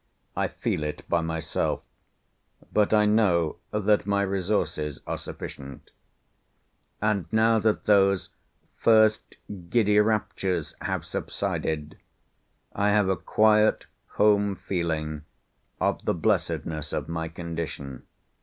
I feel it by myself, but I know that my resources are sufficient; and now that those first giddy raptures have subsided, I have a quiet home feeling of the blessedness of my condition.